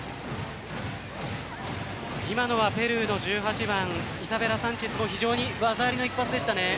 今のはペルーの１８番イサベラ・サンチェスも非常に技ありな一発でしたね。